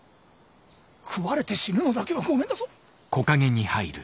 食われて死ぬのだけはごめんだぞ。